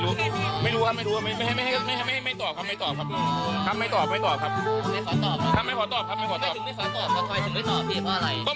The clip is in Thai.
เราไม่ใช่ชาวบ้านกล่อบกล่อบแต่ทำไมถึงจะตามบ้านเป็น